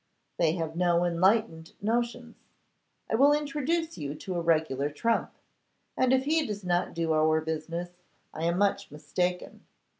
They have no enlightened notions. I will introduce you to a regular trump; and if he does not do our business, I am much mistaken.